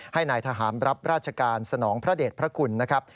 ให้นายทหารรับราชการสนองพระเด็จพระคุณนะครับ